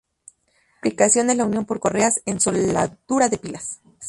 Otra aplicación es la unión por correas en la soldadura de pilas.